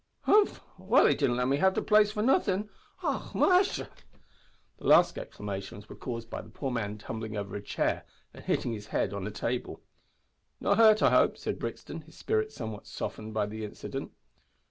"Humph! well, they didn't let me have the place for nothing och! musha!" The last exclamations were caused by the poor man tumbling over a chair and hitting his head on a table. "Not hurt, I hope," said Brixton, his spirit somewhat softened by the incident.